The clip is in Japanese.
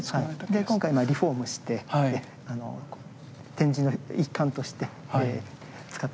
で今回リフォームして展示の一環として使っております。